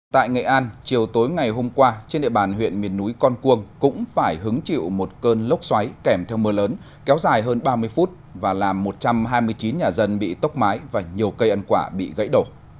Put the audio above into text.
tại nghệ an chiều tối ngày hôm qua trên địa bàn huyện miền núi con cuông cũng phải hứng chịu một cơn lốc xoáy kèm theo mưa lớn kéo dài hơn ba mươi phút và làm một trăm hai mươi chín nhà dân bị tốc mái và nhiều cây ăn quả bị gãy đổ